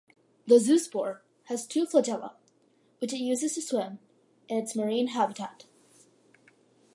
The zoospore has two flagella which it uses to swim in its marine habitat.